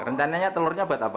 rencananya telurnya buat apa